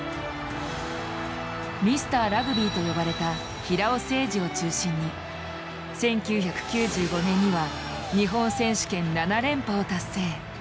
ミスターラグビーと呼ばれた平尾誠二を中心に１９９５年には日本選手権７連覇を達成。